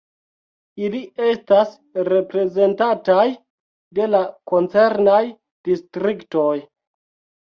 Ili estas reprezentataj de la koncernaj distriktoj.